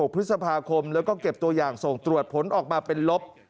พฤษภาคมแล้วก็เก็บตัวอย่างส่งตรวจผลออกมาเป็นลบ